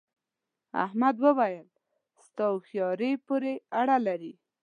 احمد وويل: ستا هوښیارۍ پورې اړه لري.